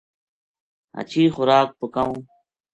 ہچھی خوراک پکاؤں